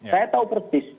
saya tahu persis